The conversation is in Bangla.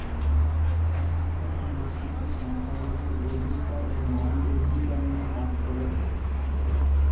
সংস্থাটি দেশটিতে সংখ্যালঘু অধিকার ও নারী অধিকার নিয়ে কাজ করে থাকে।